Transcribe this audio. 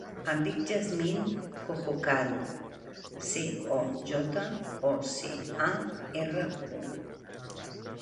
Em dic Yasmine Cojocaru: ce, o, jota, o, ce, a, erra, u.